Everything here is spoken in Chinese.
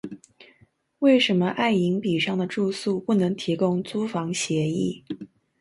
为什么爱迎彼上的住宿不能提供租房协议？